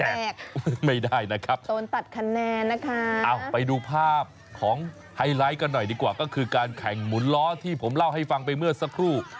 เอาไปดูภาพของไฮไลท์กันหน่อยดีกว่าก็คือการแข่งหมุนล้อที่ผมเล่าให้ฟังไปเมื่อสักครู่